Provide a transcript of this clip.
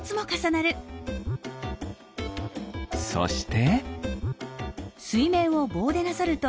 そして。